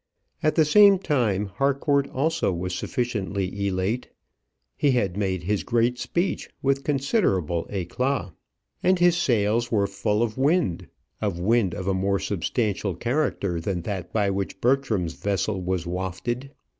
At the same time, Harcourt also was sufficiently elate. He had made his great speech with considerable éclat, and his sails were full of wind of wind of a more substantial character than that by which Bertram's vessel was wafted.